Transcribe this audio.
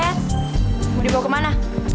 eh mau dibawa kemana